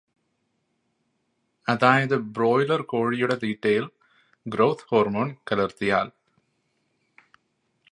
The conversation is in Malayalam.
അതായത് ബ്രോയ്ലർ കോഴിയുടെ തീറ്റയിൽ ഗ്രോത് ഹോർമോൺ കലർത്തിയാൽ